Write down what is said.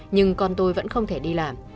nhưng con tôi vẫn không thể đi làm